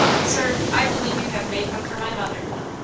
Sir, I believe you have made one for my mother."